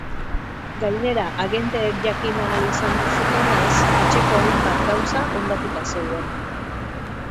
Gainera, agenteek jakin ahal izan zutenez, etxeko hainbat gauza hondatuta zeuden.